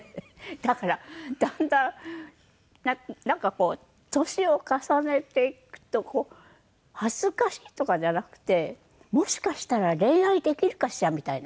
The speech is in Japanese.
だからだんだんなんかこう年を重ねていくと恥ずかしいとかじゃなくてもしかしたら恋愛できるかしらみたいな。